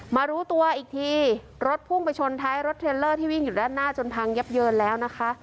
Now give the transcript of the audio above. มารู้ตัวอีกทีรถพุ่งไปชนท้ายรถเทรลเลอร์ที่วิ่งอยู่ด้านหน้าจนพังยับเยินแล้วนะคะ